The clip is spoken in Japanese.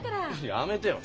やめてよ。